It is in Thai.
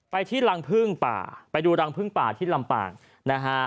ไปที่รังพึ่งป่าไปดูรังพึ่งป่าที่ลำปางนะฮะ